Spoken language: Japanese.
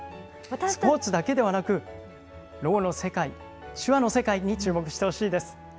スポーツだけではなく、ろうの世界、手話の世界に注目してほしいです。